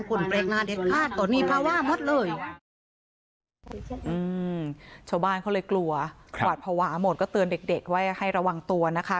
อืมชาวบ้านเขาเลยกลัวขวาดภาวะหมดก็เตือนเด็กไว้ให้ระวังตัวนะคะ